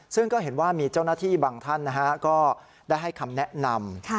ซึ่งก็เห็นว่ามีเจ้าหน้าที่บางท่านก็ได้ให้คำแนะนำ